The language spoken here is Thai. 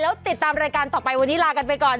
แล้วติดตามรายการต่อไปวันนี้ลากันไปก่อน